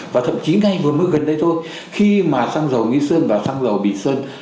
và thậm chí ngay vừa mới gần đây thôi khi mà xăng dầu nghĩa sơn và xăng dầu nghĩa sơn